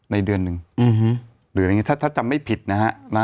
ในเดือนนึงหรือไม่งั้นถ้าจำไม่ผิดนะครับ